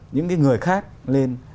những cái người khác lên